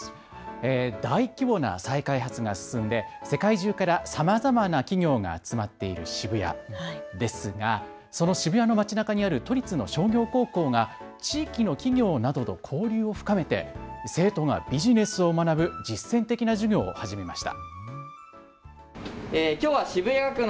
大規模な再開発が進んで世界中からさまざまな企業が集まっている渋谷ですがその渋谷の街中にある都立の商業高校が地域の企業などと交流を深めて生徒がビジネスを学ぶ実践的な授業を始めました。